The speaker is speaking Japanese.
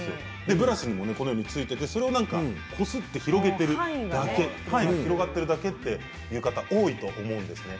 ブラシにも汚れが付いていてそれをこすって広げているだけ範囲が広がっているだけという方多いと思うんですね。